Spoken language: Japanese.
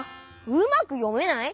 うまくよめない？